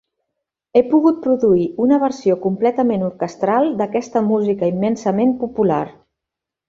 Ha pogut produir una versió completament orquestral d'aquesta música immensament popular.